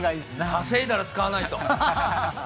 稼いだら使わないと。